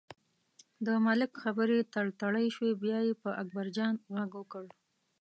د ملک خبرې تړتړۍ شوې، بیا یې په اکبرجان غږ وکړ.